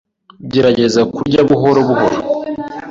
gerageza kurya buhoro buhoro